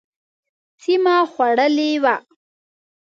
سیمه خوړلې وه.